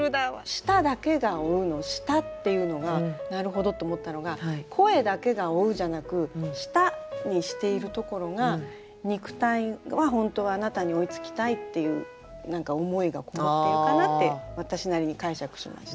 「舌だけが追う」の「舌」っていうのがなるほどと思ったのが声だけが追うじゃなく「舌」にしているところが肉体は本当はあなたに追いつきたいっていう何か思いがこもっているかなって私なりに解釈しました。